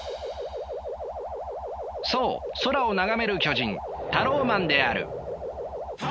そう空を眺める巨人タローマンである。